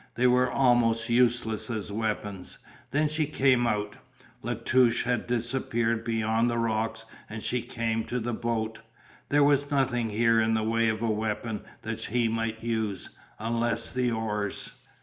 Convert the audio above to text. They were almost useless as weapons. Then she came out. La Touche had disappeared beyond the rocks and she came to the boat. There was nothing here in the way of a weapon that he might use, unless the oars.